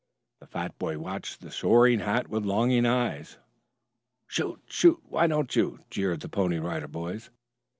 The fat boy watched the soaring hat with longing eyes. "Shoot, shoot, why don't you?" jeered the Pony Rider Boys.